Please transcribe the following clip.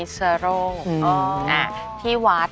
ก้าวเริ่มก่อนเลยดีกว่า